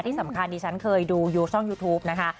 ที่สำคัญดิฉันเคยดูยูช่องยูทูปนะคะ